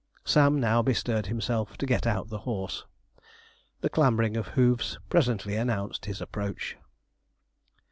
Sam now bestirred himself to get out the horse. The clambering of hoofs presently announced his approach.